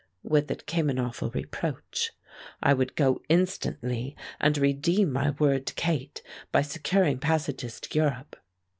With it came an awful reproach. I would go instantly and redeem my word to Kate by securing passages to Europe.